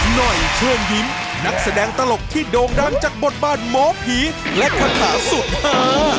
หน่อยเชิญยิ้มนักแสดงตลกที่โด่งดังจากบทบาทหมอผีและคาถาสุดหา